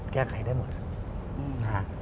แก้ไขได้หมดนะฮะ